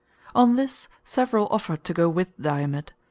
On this several offered to go with Diomed.